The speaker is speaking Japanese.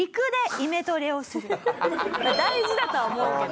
大事だとは思うけど。